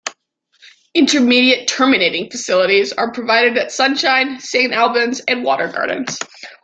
Intermediate terminating facilities are provided at Sunshine, Saint Albans and Watergardens.